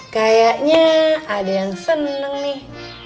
kayaknya ada yang seneng nih